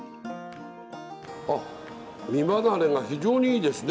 身離れが非常にいいですね。